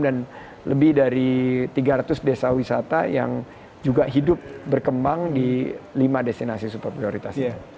dan lebih dari tiga ratus desa wisata yang juga hidup berkembang di lima destinasi super prioritas itu